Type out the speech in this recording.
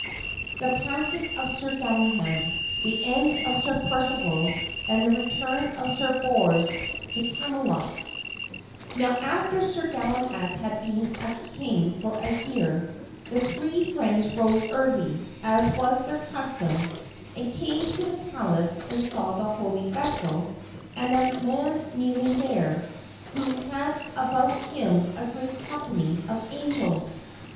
The Passing of Sir Galahad, The End of Sir Percival, and the Return of Sir Bors to Camelot Now, after Sir Galahad had been king a year, the three friends rose early, as was their custom, and came to the palace and saw the holy vessel and a man kneeling there, who had about him a great company of angels.